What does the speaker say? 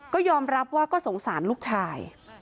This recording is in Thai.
ก็ยอมรับว่าก็สงสารลูกชาย